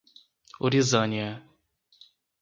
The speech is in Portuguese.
Orizânia